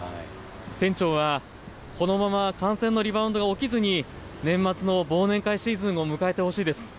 店長はこのまま感染のリバウンドが起きずに年末の忘年会シーズンを迎えてほしいです。